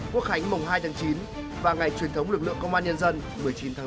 quốc khánh mùng hai tháng chín và ngày truyền thống lực lượng công an nhân dân một mươi chín tháng tám